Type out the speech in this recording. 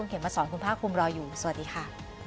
คุณเขียนมาสอนคุณพ่าคุมรออยู่สวัสดีค่ะ